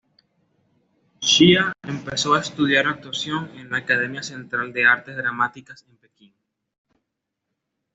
Xia empezó a estudiar actuación en la Academia Central de Artes Dramáticas en Pekín.